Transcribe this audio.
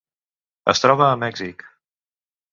Es troba a Mèxic.